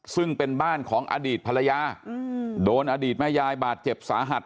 ซึ่งเป็นบ้านของอดีตภรรยาโดนอดีตแม่ยายบาดเจ็บสาหัส